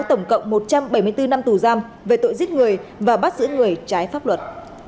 tổng cộng một trăm bảy mươi bốn năm tù giam về tội giết người và bắt giữ người trái pháp luật